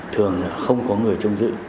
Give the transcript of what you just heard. thường là không có người trông giữ